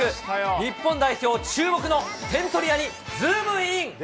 日本代表注目の点取り屋にズームイン！！